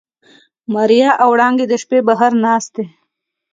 ماريا او وړانګې د شپې بهر ناستې.